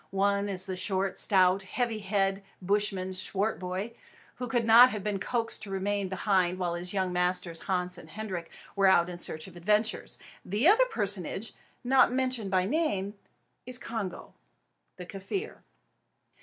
One is the short, stout, heavy headed Bushman, Swartboy, who could not have been coaxed to remain behind while his young masters Hans and Hendrik were out in search of adventures. The other personage not mentioned by name is Congo, the Kaffir.